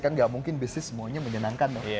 kan gak mungkin bisnis semuanya menyenangkan